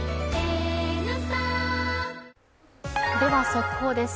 速報です。